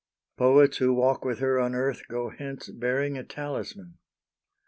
Poets who walk with her on earth go hence Bearing a talisman.